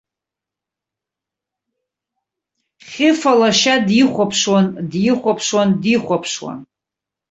Хьыфа лашьа дихәаԥшуан, дихәаԥшуан, дихәаԥшуан.